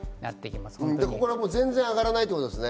ここから全然上がらないということですね。